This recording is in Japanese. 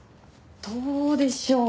どうでしょう？